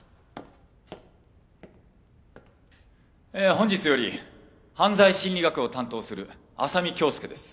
本日より犯罪心理学を担当する浅海恭介です。